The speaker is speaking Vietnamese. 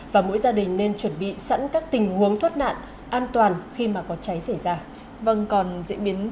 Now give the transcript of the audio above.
và mỗi gia đình nên chuẩn bị sẵn các tình huống thoát nạn an toàn khi mà có cháy xảy ra